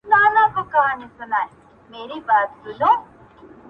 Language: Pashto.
o دا ټپه ورته ډالۍ كړو دواړه.